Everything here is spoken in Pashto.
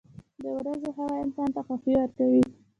• د ورځې هوا انسان ته خوښي ورکوي.